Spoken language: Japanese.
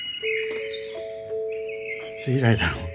いつ以来だろう？